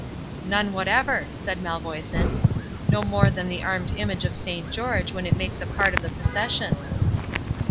"None whatever," said Malvoisin; "no more than the armed image of Saint George when it makes part of a procession."